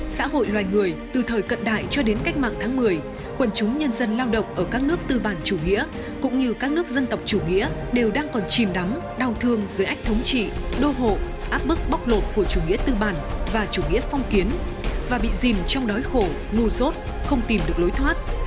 xã hội loài người từ thời cận đại cho đến cách mạng tháng một mươi quần chúng nhân dân lao động ở các nước tư bản chủ nghĩa cũng như các nước dân tộc chủ nghĩa đều đang còn chìm đắm đau thương dưới ách thống trị đô hộ áp bức bóc lột của chủ nghĩa tư bản và chủ nghĩa phong kiến và bị dìm trong đói khổ ngu rốt không tìm được lối thoát